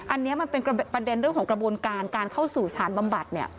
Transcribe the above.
อันนี้มันเป็นประเด็นเรื่องของกระบวนการการเข้าสู่สารบำบัด